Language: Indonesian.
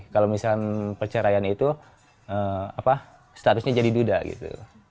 kalau misalnya perceraian itu statusnya jadi duda gitu